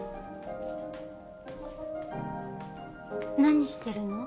何してるの？